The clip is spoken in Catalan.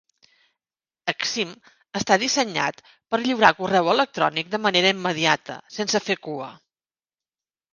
Exim està dissenyat per lliurar correu electrònic de manera immediata, sense fer cua.